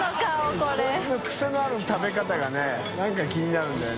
こいつのクセのある食べ方がね何か気になるんだよね。